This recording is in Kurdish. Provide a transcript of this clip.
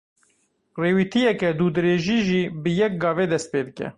Rêwîtiyeke dûdirêjî jî bi yek gavê dest pê dike.